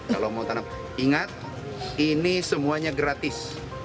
kalau mau tanam ingat ini semuanya gratis